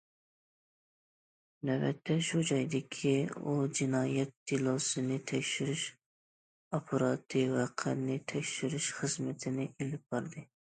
نۆۋەتتە شۇ جايدىكى ئۇ جىنايەت دېلوسىنى تەكشۈرۈش ئاپپاراتى ۋەقەنى تەكشۈرۈش خىزمىتىنى ئېلىپ باردى.